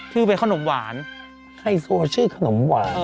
คือเป็นขนมหวานไฮโซชื่อขนมหวาน